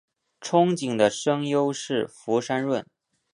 憧憬的声优是福山润。